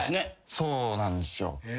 そうなんすよ。